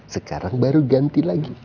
sekarang baru ganti lagi